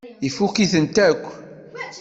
Ifukk-iten akk.